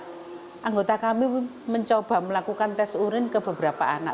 karena anggota kami mencoba melakukan tes urin ke beberapa anak